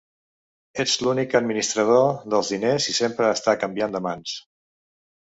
Ets l'única administrador dels diners i sempre està canviant de mans.